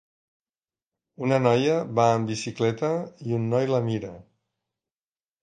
Una noia va amb bicicleta i un noi la mira